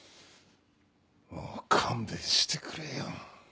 もう勘弁してくれよ。